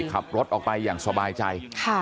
ขับรถออกไปอย่างสบายใจ